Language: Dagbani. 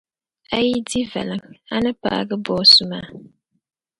A yi di valiŋ, a ni paagi boosu maa.